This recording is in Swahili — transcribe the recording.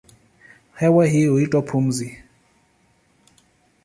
Hewa hii huitwa pumzi.